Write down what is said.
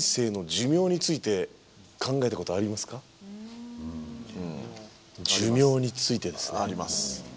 寿命についてですね。あります。